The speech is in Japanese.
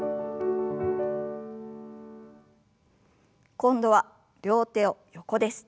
今度は両手を横です。